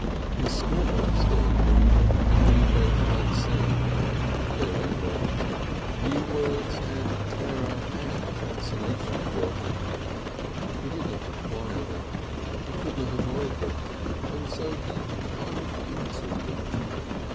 His schoolmaster indeed had been both unsound and variable. New words had terror and fascination for him; he did not acquire them, he could not avoid them, and so he plunged into them.